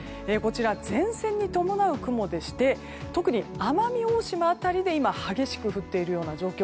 前線に伴う雲で特に奄美大島辺りで今激しく降っているような状況。